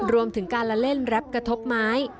รวมถึงการละเล่นแรปกระทบไม้